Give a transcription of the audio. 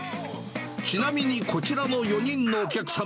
ちなみにこちらの４人のお客さん、